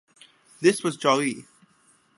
This was Zhaoyi.